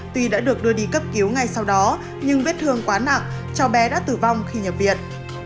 tuy đã được đưa đi cấp cứu ngay sau đó nhưng vết thương quá nặng cháu bé đã tử vong khi nhập viện